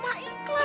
serahin sama allah